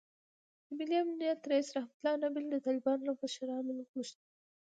د ملي امنیت رییس رحمتالله نبیل د طالبانو له مشرانو غوښتي